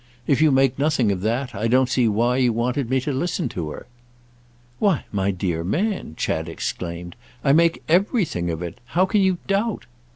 If you make nothing of that I don't see why you wanted me to listen to her." "Why my dear man," Chad exclaimed, "I make everything of it! How can you doubt—?"